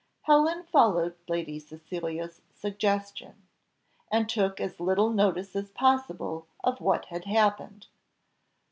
Helen followed Lady Cecilia's suggestion, and took as little notice as possible of what had happened.